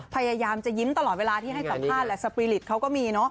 พยายามจะยิ้มตลอดเวลาที่ให้สัมภาษณ์แหละสปีริตเขาก็มีเนอะ